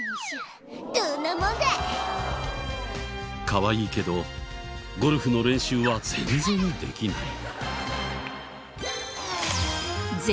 かわいいけどゴルフの練習は全然できない。